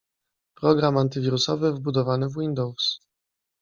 Program antywirusowy wbudowany w Windows